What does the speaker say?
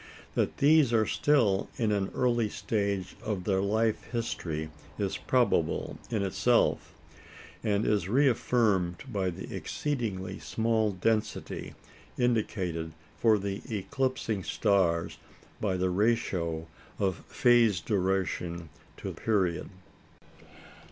That these are still in an early stage of their life history is probable in itself, and is re affirmed by the exceedingly small density indicated for eclipsing stars by the ratio of phase duration to period.